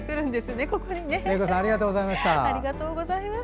礼子さんありがとうございました。